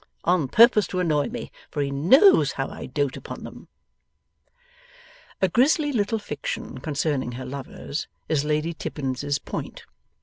On purpose to annoy me, for he knows how I doat upon them!' A grisly little fiction concerning her lovers is Lady Tippins's point.